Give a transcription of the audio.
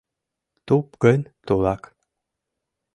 Туп гын — тулак.